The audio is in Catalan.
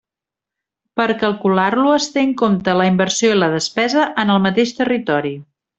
Per calcular-lo es té en compte la inversió i la despesa en el mateix territori.